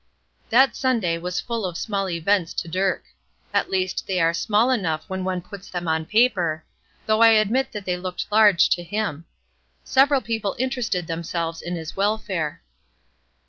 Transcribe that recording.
That Sunday was full of small events to Dirk; at least they are small enough when one puts them on paper, though I admit that they looked large to him. Several people interested themselves in his welfare.